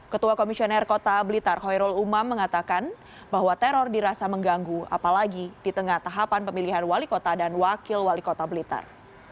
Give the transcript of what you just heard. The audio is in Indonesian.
ketua komisioner kota blitar hoirul umam mengatakan bahwa teror dirasa mengganggu apalagi di tengah tahapan pemilihan wali kota dan wakil wali kota blitar